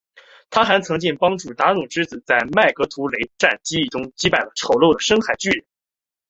她还曾经帮助达努之子在麦格图雷德战役中击败了丑陋的深海巨人。